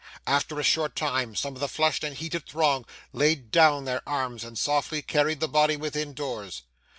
After a short time some of the flushed and heated throng laid down their arms and softly carried the body within doors.